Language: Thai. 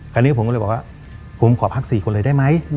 คราวนี้ผมก็เลยบอกว่าผมขอพัก๔คนเลยได้ไหม